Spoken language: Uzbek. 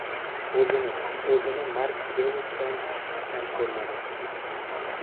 O‘zini... o‘zini Mark Deluzdan kam ko‘rmadi!